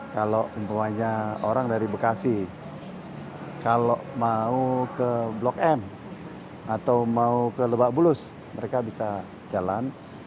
kalau umpamanya orang dari bekasi kalau mau ke blok m atau mau ke lebak bulus mereka bisa jalan